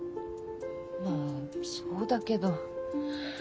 まぁそうだけど。